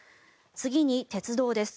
次に鉄道です。